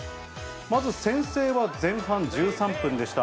まず先制は前半１３分でした。